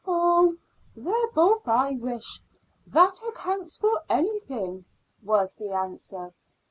"Oh, they're both Irish; that accounts for anything," was the answer.